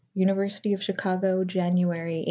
University of Chicago, January 1899.